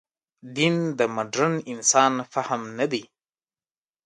دین د مډرن انسان فهم نه دی.